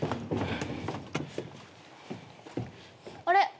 あれ？